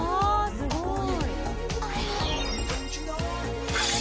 「すごい！」